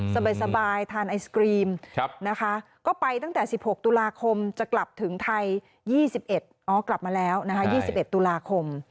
สบายทานไอติมก็ไปตั้งแต่๑๖ตุลาคมจะกลับถึงไทย๒๑ตุลาคม